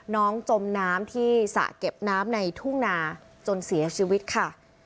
จมน้ำที่สระเก็บน้ำในทุ่งนาจนเสียชีวิตค่ะ